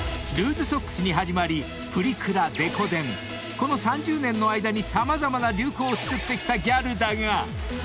［この３０年の間に様々な流行をつくってきたギャルだが］